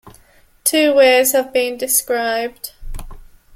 Two ways have been described.